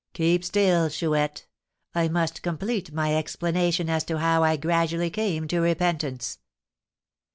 "Keep still, Chouette; I must complete my explanation as to how I gradually came to repentance.